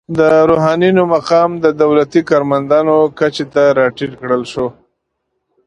د روحانینو مقام د دولتي کارمندانو کچې ته راټیټ کړل شو.